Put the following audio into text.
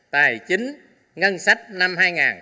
tài chính ngân sách năm hai nghìn hai mươi